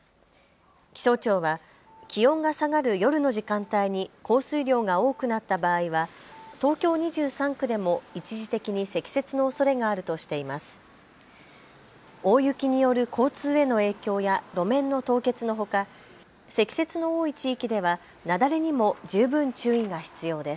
気象庁は気温が下がる夜の時間帯に降水量が多くなった場合は東京２３区でも一時的に積雪のおそれがあるとしています。